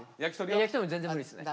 焼き鳥も全然無理っすね。